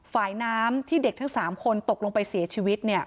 ฝ่ายน้ำที่เด็กทั้ง๓คนตกลงไปเสียชีวิต